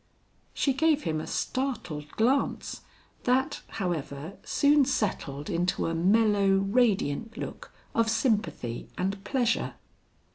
She gave him a startled glance that, however, soon settled into a mellow radiant look of sympathy and pleasure.